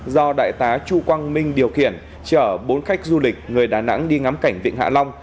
do đại tá chu quang minh điều khiển chở bốn khách du lịch người đà nẵng đi ngắm cảnh vịnh hạ long